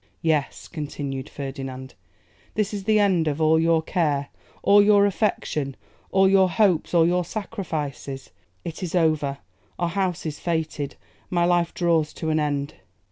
'Yes!' continued Ferdinand; 'this is the end of all your care, all your affection, all your hopes, all your sacrifices. It is over; our house is fated; my life draws to an end.